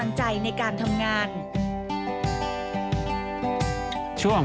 สวัสดีครับ